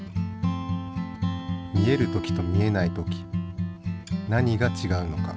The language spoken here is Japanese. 見える時と見えない時何がちがうのか。